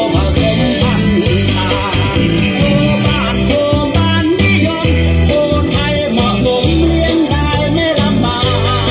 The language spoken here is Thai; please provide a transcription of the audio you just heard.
โทษมาสมภัณฑ์ผู้ชายโทษมาสโทษมานิยมโทษไทยมาตรงเรียงได้ไม่ระบาด